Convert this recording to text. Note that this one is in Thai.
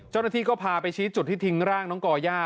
เจ้าหน้าที่ก็พาไปชี้จุดที่ทิ้งร่างน้องก่อย่า